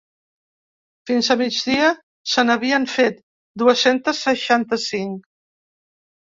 Fins a migdia, se n’havien fetes dues-centes seixanta-cinc.